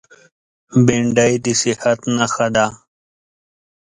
بېنډۍ د صحت نښه ده